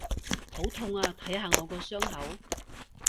好痛啊！睇下我個傷口！